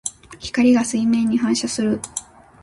光が水面に反射する。